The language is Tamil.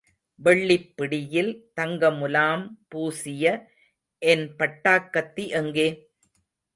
வெள்ளிப் பிடியில் தங்கமுலாம் பூசிய என் பட்டாக்கத்தி எங்கே?